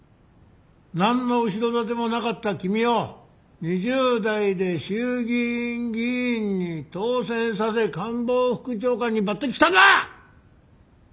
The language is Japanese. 何の後ろ盾もなかった君を２０代で衆議院議員に当選させ官房副長官に抜てきしたのは！